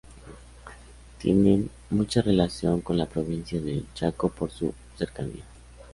Tienen mucha relación con la provincia del Chaco por su cercanía.